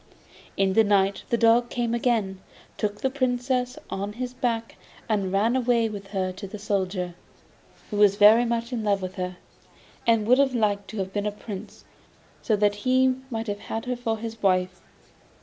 In the night the dog came again, took the Princess on his back and ran away with her to the Soldier, who was very much in love with her, and would have liked to have been a Prince, so that he might have had her for his wife.